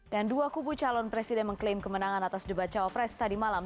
dan dua kubu calon presiden mengklaim kemenangan atas debat cawapres tadi malam